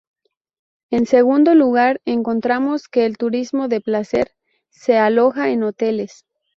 En segundo lugar encontramos que el turismo de placer se aloja en hoteles.